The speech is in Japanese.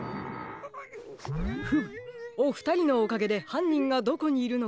フムおふたりのおかげではんにんがどこにいるのかわかりました。